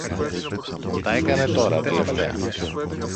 Τα έκανε τώρα τελευταία.